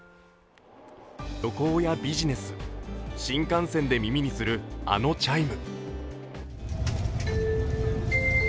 旅行やビジネス、新幹線で耳にするあのチャイム。